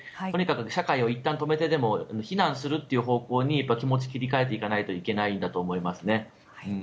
社会をいったん止めてでも避難するという方向に気持ちを切り替えないといけないと思います。